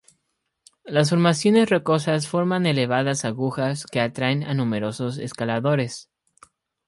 Las formaciones rocosas forman elevadas agujas que atraen a numerosos escaladores.